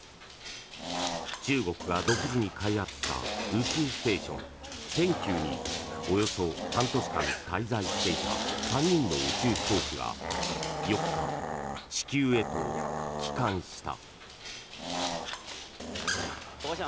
中国が独自に開発した宇宙ステーション、天宮におよそ半年間滞在していた３人の宇宙飛行士が４日、地球へと帰還した。